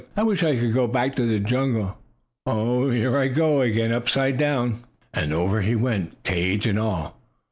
"I wish I could go back to the jungle. Oh, here I go again upside down!" And over he went, cage and all.